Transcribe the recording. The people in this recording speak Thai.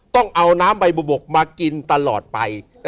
ต้องเอาน้ำใบบุบกมากินตลอดไป